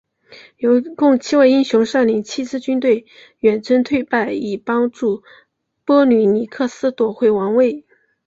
共七位英雄率领七支军队远征忒拜以帮助波吕尼克斯夺回王位。